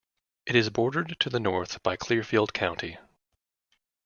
It is bordered to the north by Clearfield County.